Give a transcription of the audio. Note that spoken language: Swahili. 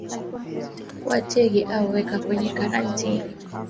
Watenge au weka kwenye karantini